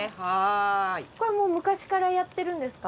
これはもう昔からやってるんですか？